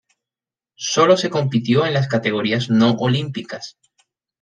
Sólo se compitió en las categorías no olímpicas.